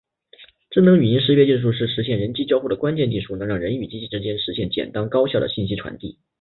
智能语音识别技术是实现人机交互的关键技术，能让人与机器之间实现简单高效的信息传递。